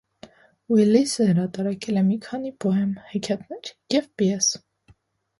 Ուիլիսը հրատարակել է մի քանի պոեմներ, հեքիաթներ և պիես։